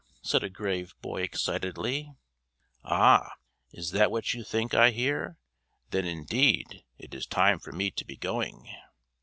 said a grave boy excitedly. "Ah! Is that what you think I hear! Then indeed it is time for me to be going!"